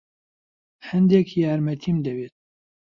هەندێک یارمەتیم دەوێت.